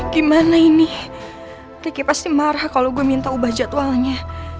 gimana ini ricky pasti marah kalau gue minta ubah jadwalnya